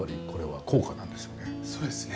そうですね。